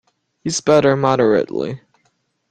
Use butter moderately.